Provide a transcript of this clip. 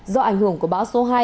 do ảnh hưởng của bão số hai